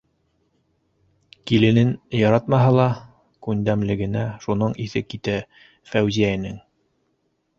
- Киленен яратмаһа ла, күндәмлегенә шуның иҫе китә Фәүзиәнең.